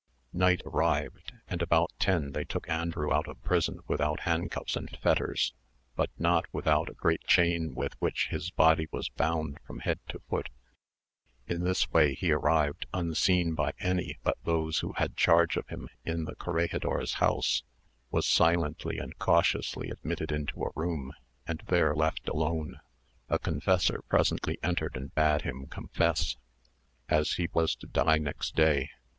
Night arrived; and about ten they took Andrew out of prison without handcuffs and fetters, but not without a great chain with which his body was bound from head to foot. In this way he arrived, unseen by any but those who had charge of him, in the corregidor's house, was silently and cautiously admitted into a room, and there left alone. A confessor presently entered and bade him confess, as he was to die next day.